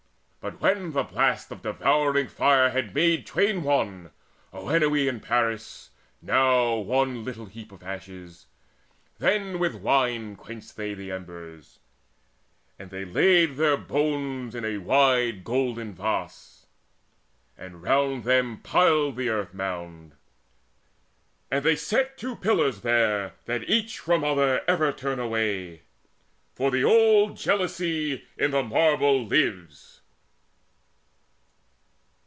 But when the blast of the devouring fire Had made twain one, Oenone and Paris, now One little heap of ashes, then with wine Quenched they the embers, and they laid their bones In a wide golden vase, and round them piled The earth mound; and they set two pillars there That each from other ever turn away; For the old jealousy in the marble lives.